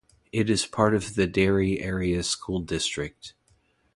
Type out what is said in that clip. It is part of the Derry Area School District.